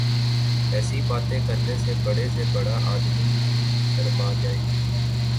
ایسی باتیں کرنے سے بڑے سے بڑا آدمی بھی شرما جائے۔